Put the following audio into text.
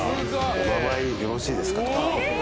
お名前よろしいですか？